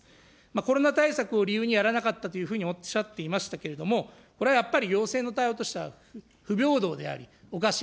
コロナ対策を理由にやらなかったというふうにおっしゃっていましたけれども、これはやっぱり行政の対応としては不平等であり、おかしい。